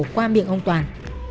qua miệng ông toàn